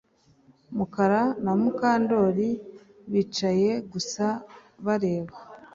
Mukara na Mukandoli bicaye gusa bareba